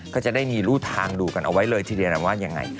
ก็จะได้มีรูทางดูกันเอาไว้เลยทีเดียวนะว่ายังไง